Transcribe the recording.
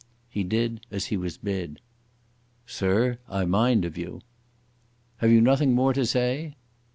He did as he was bid. "Sirr, I mind of you." "Have you nothing more to say?"